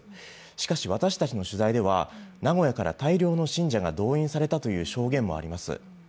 しかし、私たちの取材では名古屋から大量の信者が動員されたという証言もあります。